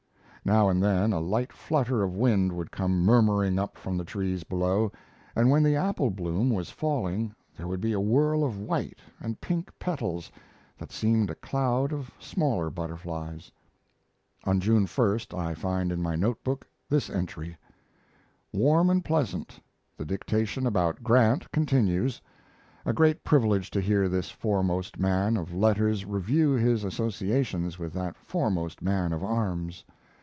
Now and then a light flutter of wind would come murmuring up from the trees below, and when the apple bloom was falling there would be a whirl of white and pink petals that seemed a cloud of smaller butterflies. On June 1st I find in my note book this entry: Warm and pleasant. The dictation about Grant continues; a great privilege to hear this foremost man, of letters review his associations with that foremost man of arms.